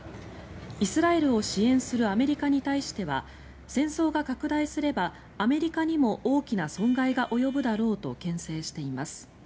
イスラエルを支援するアメリカに対しては戦争が拡大すればアメリカにも大きな損害が及ぶだろうとけん制しています。